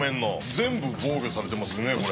全部防御されてますねこれ。